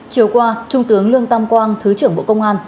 chiều qua trung tướng lương tam quang thứ trưởng bộ công an